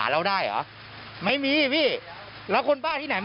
กระทั่งตำรวจก็มาด้วยนะคะ